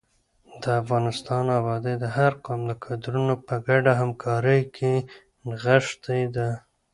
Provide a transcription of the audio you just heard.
د افغانستان ابادي د هر قوم د کدرونو په ګډه همکارۍ کې نغښتې ده.